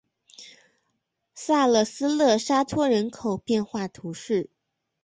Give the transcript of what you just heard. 萨勒斯勒沙托人口变化图示